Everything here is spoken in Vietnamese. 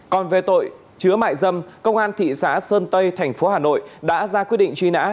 còn về tội chứa mại dâm công an thị xã sơn tây thành phố hà nội đã ra quyết định truy nã